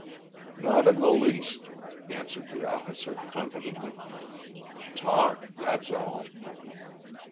"Not in the least," answered the officer confidently. "Talk, that's all."